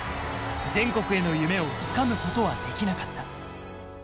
全国への夢をつかむことはできなかった。